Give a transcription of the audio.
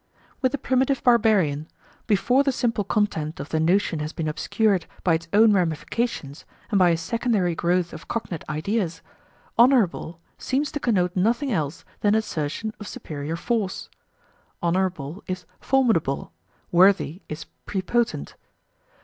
With the primitive barbarian, before the simple content of the notion has been obscured by its own ramifications and by a secondary growth of cognate ideas, "honourable" seems to connote nothing else than assertion of superior force. "Honourable" is "formidable"; "worthy" is "prepotent".